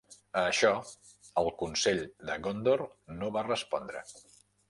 A això, el Consell de Gondor no va respondre.